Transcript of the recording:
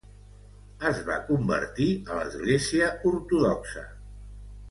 Es va convertir a l'Església Ortodoxa.